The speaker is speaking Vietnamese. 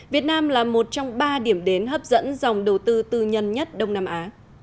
việt nam là một trong ba điểm đến hấp dẫn dòng đầu tư tư nhân nhất đông nam á